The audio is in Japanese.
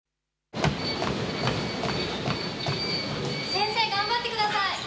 先生頑張ってください！